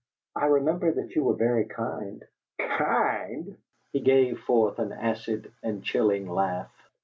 "I remember that you were very kind." "Kind!" He gave forth an acid and chilling laugh.